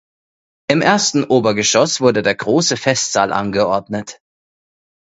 Im ersten Obergeschoss wurde der Große Festsaal angeordnet.